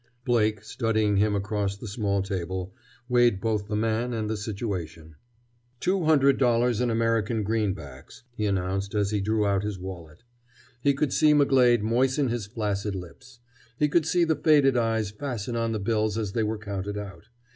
Blake, studying him across the small table, weighed both the man and the situation. "Two hundred dollars in American greenbacks," he announced as he drew out his wallet. He could see McGlade moisten his flaccid lips. He could see the faded eyes fasten on the bills as they were counted out.